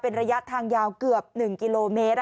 เป็นระยะทางยาวเกือบ๑กิโลเมตร